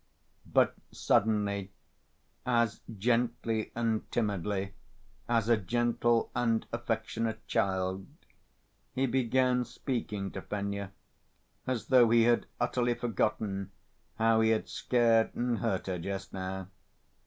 But suddenly, as gently and mildly as a gentle and affectionate child, he began speaking to Fenya as though he had utterly forgotten how he had scared and hurt her just now.